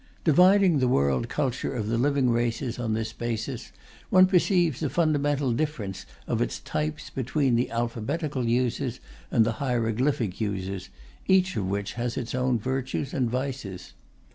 Dividing the world culture of the living races on this basis, one perceives a fundamental difference of its types between the alphabetical users and the hieroglyphic users, each of which has its own virtues and vices.